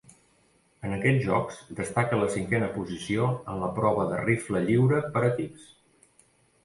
En aquests Jocs destaca la cinquena posició en la prova de rifle lliure per equips.